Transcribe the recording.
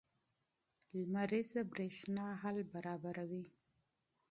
لمریزه برېښنا حل برابروي.